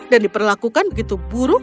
dan diperlakukan begitu buruk